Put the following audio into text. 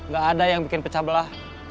gak ada yang bikin pecah belah